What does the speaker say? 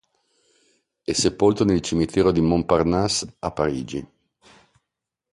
È sepolto nel Cimitero di Montparnasse, a Parigi.